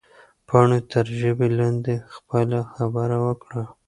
پاڼې تر ژبه لاندې خپله خبره وکړه.